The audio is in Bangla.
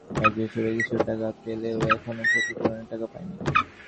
নিহত শ্রমিকদের পরিবারগুলো সাহায্য হিসেবে কিছু টাকা পেলেও এখনো ক্ষতিপূরণের টাকা পায়নি।